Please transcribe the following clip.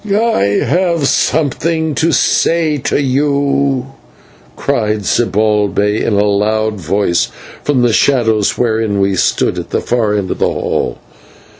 "I have something to say to you," cried Zibalbay in a loud voice from the shadows wherein we stood at the far end of the hall.